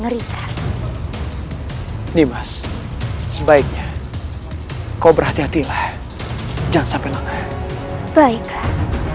kring hai nimas sebaiknya kau berhati hatian jangan sampe langge baiklah